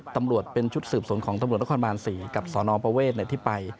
ตำรวจเป็นชุดสืบสวนของตำรวจนครบาน๔กับสนประเวทที่ไป